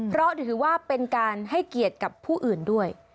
เพราะถือว่าเป็นการให้เกียรติกับผู้อื่นด้วย